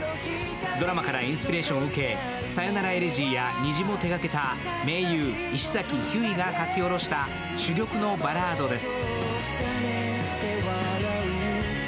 ドラマからインスピレーションを受け、「さよならエレジー」や「虹」も手がけた盟友、石崎ひゅーいが書き下ろした珠玉のバラードです。